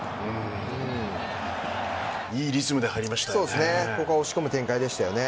いいリズムで入りましたね。